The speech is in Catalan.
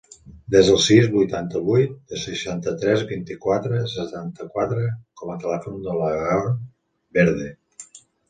Desa el sis, vuitanta-vuit, seixanta-tres, vint-i-quatre, setanta-quatre com a telèfon de l'Aaron Verde.